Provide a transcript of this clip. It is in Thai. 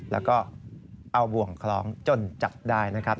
แล้วก็เอาบ่วงคล้องจนจับได้นะครับ